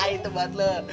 itu buat lo